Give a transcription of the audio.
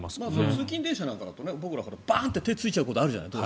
通勤電車なんかだとバーンと手を突いちゃうことあるじゃない。